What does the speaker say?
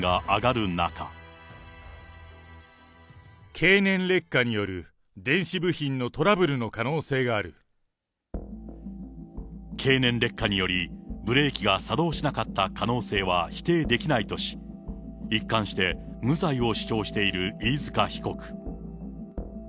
経年劣化による電子部品のト経年劣化により、ブレーキが作動しなかった可能性は否定できないとし、一貫して、無罪を主張している飯塚被告。